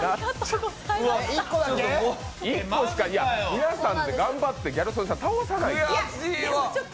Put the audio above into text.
皆さんで頑張ってギャル曽根さんを倒さないと。